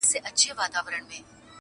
غلیمان به یې تباه او نیمه خوا سي!.